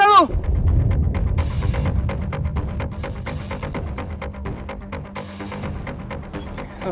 lo suruh gue nyerah